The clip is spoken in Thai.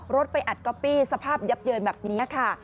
รถไปอัดก๊อปปี้สภาพยับเยินแบบนี้ค่ะ